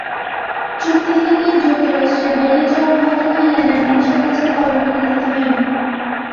চুক্তি থেকে যুক্তরাষ্ট্রের বেরিয়ে যাওয়ার ঘটনা ইরানের মানুষের কাছে ভালোভাবে গৃহীত হয়নি।